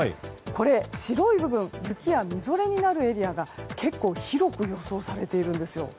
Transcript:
白い部分雪やみぞれになるエリアが結構、広く予想されているんですよ。